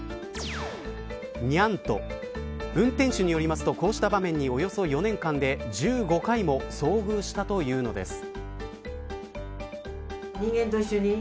にゃんと、運転手によりますとこうした場面に、およそ４年間で１５回も遭遇したというのです。